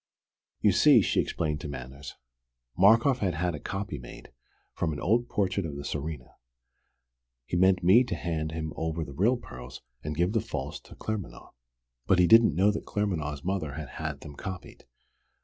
"You see," she explained to Manners, "Markoff had had a copy made, from an old portrait of the Tsarina. He meant me to hand him over the real pearls, and give the false to Claremanagh. But he didn't know that Claremanagh's mother had had them copied.